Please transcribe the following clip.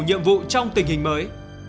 nhiệm vụ trong tình hình mới